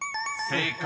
［正解。